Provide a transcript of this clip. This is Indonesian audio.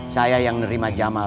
saya yang nerima jamal